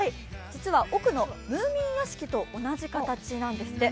実は奥のムーミン屋敷と同じ形なんですって。